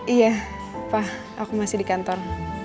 iya wah aku masih di kantor